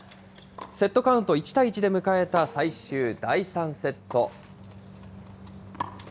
セットカウント１対１で迎えた最終第３セット。